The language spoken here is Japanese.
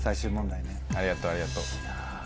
ありがとうありがとう。